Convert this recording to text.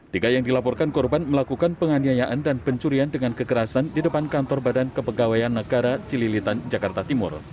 tiga yang dilaporkan korban melakukan penganiayaan dan pencurian dengan kekerasan di depan kantor badan kepegawaian negara cililitan jakarta timur